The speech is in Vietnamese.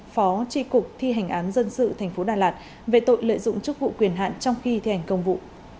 phó tri cục thi hành án dân sự tp đà lạt về tội lợi dụng chức vụ quyền hạn trong khi thi hành công vụ